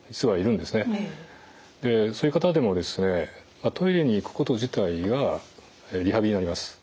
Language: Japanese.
そういう方でもトイレに行くこと自体がリハビリになります。